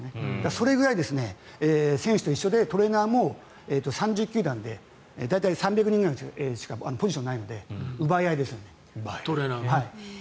それぐらい選手と一緒でトレーナーも３０球団で大体３００人くらいしかポジションがないのでトレーナーが。